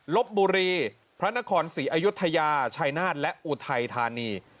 ลบบุรีพระนครศรีอยุธยาชัยนาฏและอุทัยธานี